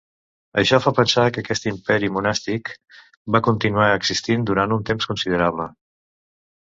Això fa pensar que aquest imperi monàstic va continuar existint durant un temps considerable.